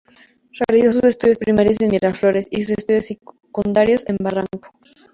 Realizo sus estudios primarios en Miraflores, y sus estudios secundarios en Barranco.